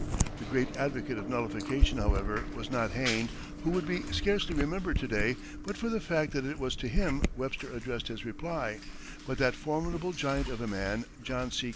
The great advocate of nullification, however, was not Hayne, who would be scarcely remembered to day but for the fact that it was to him Webster addressed his reply, but that formidable giant of a man, John C.